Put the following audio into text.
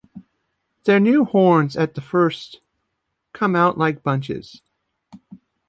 Their new horns at the first come out like bunches.